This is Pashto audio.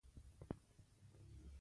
احمد سږ کال په تجارت کې ډېر خوږ شو.